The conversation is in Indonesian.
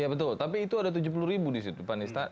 ya betul tapi itu ada tujuh puluh ribu di situ pak nista